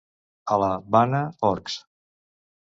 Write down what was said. A la Bana, orcs.